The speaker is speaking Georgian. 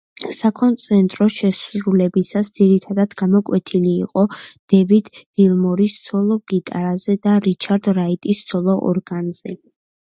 საკონცერტო შესრულებისას ძირითადად გამოკვეთილი იყო დევიდ გილმორის სოლო გიტარაზე და რიჩარდ რაიტის სოლო ორგანზე.